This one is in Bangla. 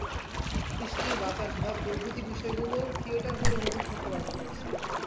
বৃষ্টি, বাতাস, ধোঁয়া প্রভৃতি বিষয়গুলো থিয়েটার হলে অনুভব করতে পারবেন দর্শক।